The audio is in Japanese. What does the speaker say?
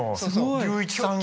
龍一さんが！